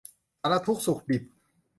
สารทุกข์สุขดิบ